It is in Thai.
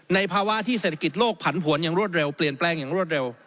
ภาวะที่เศรษฐกิจโลกผันผวนอย่างรวดเร็วเปลี่ยนแปลงอย่างรวดเร็ว